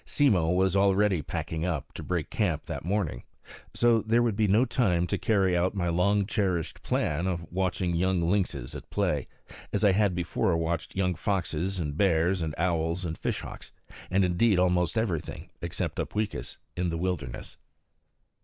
Simmo was already packing up, to break camp that morning. So there would be no time to carry out my long cherished plan of watching young lynxes at play, as I had before watched young foxes and bears and owls and fish hawks, and indeed almost everything, except Upweekis, in the wilderness.